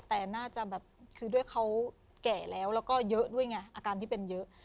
แต่น่าจะแบบคือด้วยเขาแก่แล้วแล้วก็เยอะด้วยไงอาการที่เป็นเยอะ